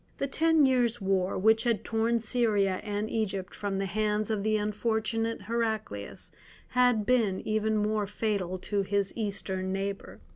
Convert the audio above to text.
The ten years' war which had torn Syria and Egypt from the hands of the unfortunate Heraclius had been even more fatal to his Eastern neighbour.